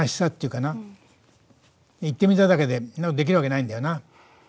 言ってみただけで、そんなことできるわけないんだよな。